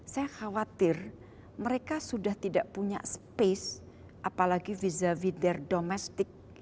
saya khawatir mereka sudah tidak punya space apalagi vis a vis their domestic